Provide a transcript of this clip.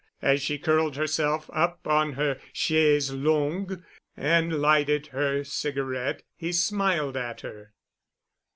As she curled herself up on her chaise longue and lighted her cigarette he smiled at her.